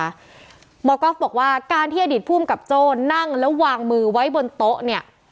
หมอก๊อฟบอกว่าการที่อดีตภูมิกับโจ้นั่งแล้ววางมือไว้บนโต๊ะเนี่ย